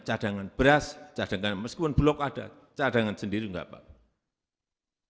cadangan beras cadangan meskipun bulog ada cadangan sendiri enggak apa apa